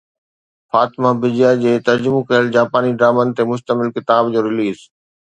فاطمه بجيا جي ترجمو ڪيل جاپاني ڊرامن تي مشتمل ڪتاب جو رليز